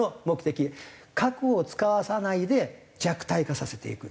核を使わせないで弱体化させていく。